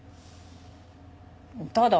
ただ。